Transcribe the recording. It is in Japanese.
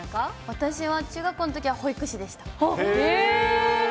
私は中学校のときは保育士でえー。